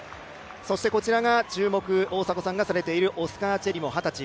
こちらが大迫さんが注目されている、オスカー・チェリモ、二十歳。